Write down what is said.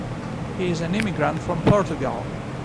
He's an immigrant from Portugal.